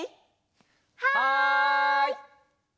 はい！